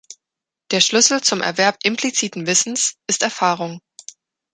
Der Schlüssel zum Erwerb impliziten Wissens ist Erfahrung.